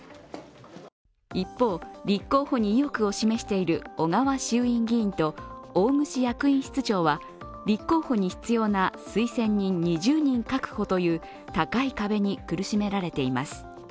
一方、立候補に意欲を示している小川衆院議員と大串役員室長は立候補に必要な推薦人２０人確保という高い壁に苦しめられています。